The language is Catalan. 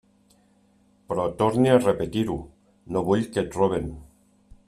Però torne a repetir-ho: no vull que et roben.